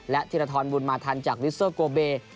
และธิระธรรมุนมาธรรมจากฮิสเซอร์โกเบ